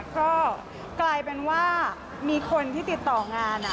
ก็กลายเป็นว่ามีคนที่ติดต่องาน